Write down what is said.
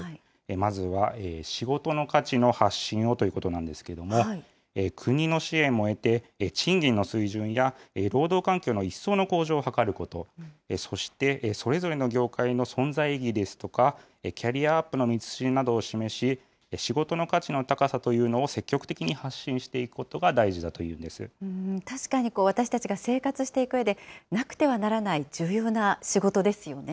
まずは仕事の価値の発信をということなんですけど、国の支援も得て、賃金の水準や労働環境の一層の向上を図ること、そしてそれぞれの業界の存在意義ですとか、キャリアアップの道筋などを示し、仕事の価値の高さというのを積極的に発信していくことが大事だと確かに私たちが生活していくうえで、なくてはならない重要な仕事ですよね。